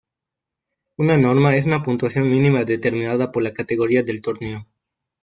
Una norma es una puntuación mínima determinada por la categoría del torneo.